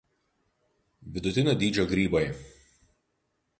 Vidutinio dydžio grybai.